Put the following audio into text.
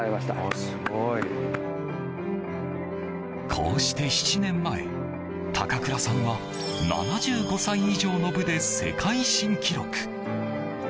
こうして７年前、高倉さんは７５歳以上の部で世界新記録。